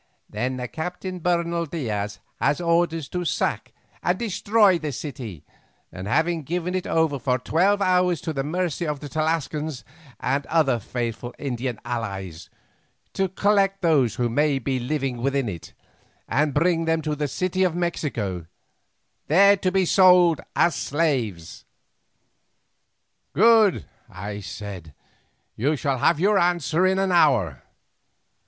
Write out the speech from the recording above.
"Then the Captain Bernal Diaz has orders to sack and destroy this city, and having given it over for twelve hours to the mercy of the Tlascalans and other faithful Indian allies, to collect those who may be left living within it, and bring them to the city of Mexico, there to be sold as slaves." "Good," I said; "you shall have your answer in an hour."